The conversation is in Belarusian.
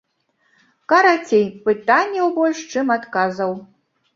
Карацей, пытанняў больш, чым адказаў.